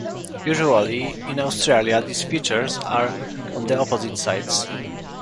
Usually in Australia these features are on the opposite sides.